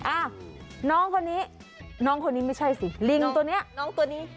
อ้าวน้องคนนี้น้องคนนี้ไม่ใช่สิลิงตัวนี้น้องตัวนี้